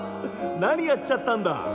何やっちゃったんだ？